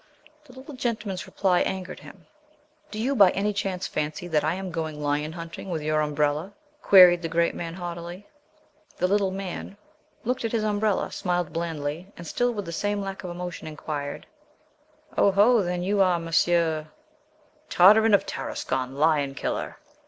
The little gentleman's reply angered him. "Do you by any chance fancy that I am going lion hunting with your umbrella?" queried the great man haughtily. The little man looked at his umbrella, smiled blandly, and still with the same lack of emotion, inquired: "Oho, then you are Monsieur" "Tartarin of Tarascon, lion killer!"